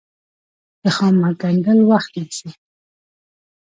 د خامک ګنډل وخت نیسي